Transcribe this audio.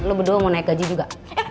lo berdua mau naik gaji juga